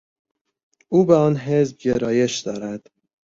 او به آن حزب گرایش دارد.